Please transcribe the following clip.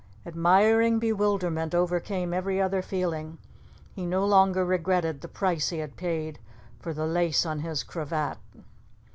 Admiring bewilderment overcame every other feeling. He no longer regretted the price he had paid for the lace on his cravat.